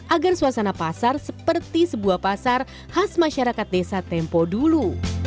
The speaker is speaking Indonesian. agar suasana pasar seperti sebuah pasar khas masyarakat desa tempo dulu